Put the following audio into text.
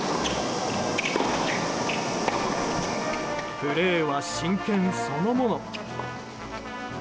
プレーは真剣そのもの。